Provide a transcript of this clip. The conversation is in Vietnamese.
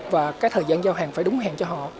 và cái thời gian giao hàng phải đúng hàng cho họ